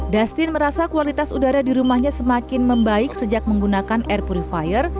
dastin merasa kualitas udara di rumahnya semakin membaik sejak menggunakan air purifier